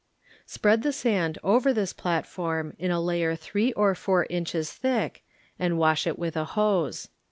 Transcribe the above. Spread the sand over this platform in a layer three or four inches thick, and wash it with a hose.